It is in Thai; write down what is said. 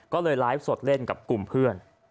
ก็เลยไลฟ์สดเล่นกับกลุ่มเพื่อน